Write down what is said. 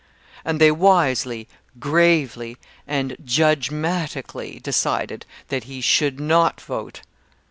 And they wisely, gravely, and 'JUDGMATICALLY' decided that he should not vote!